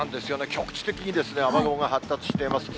局地的に雨雲が発達しています。